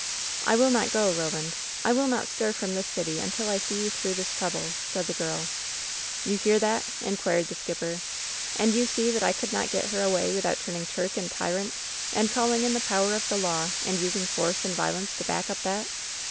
"I will not go, Roland. I will not stir from this city until I see you through this trouble !" said the girl. "You hear that?" inquired the old skipper. "And you see that I could not get her away without turning Turk and tyrant, and calling in the power of the law and using force and violence to back up that.